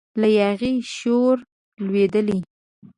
له یاغي شوره لویدلی